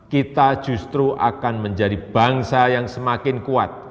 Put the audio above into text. kita justru akan menjadi bangsa yang semakin kuat